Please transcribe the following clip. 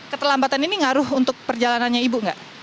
keterlambatan ini ngaruh untuk perjalanannya ibu nggak